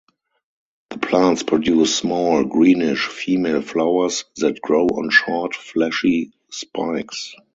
The plants produce small, greenish, female flowers that grow on short, fleshy spikes.